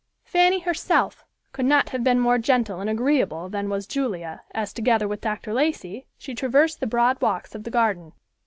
Fanny herself could not have been more gentle and agreeable than was Julia, as, together with Dr. Lacey, she traversed the broad walks of the garden.